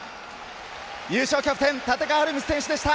優勝キャプテン・立川理道選手でした。